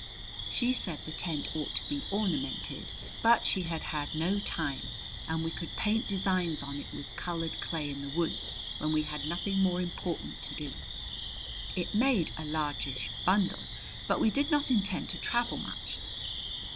She said the tent ought to be ornamented, but she had had no time, and we could paint designs on it with colored clay in the woods when we had nothing more important to do! It made a largish bundle, but we did not intend to travel much.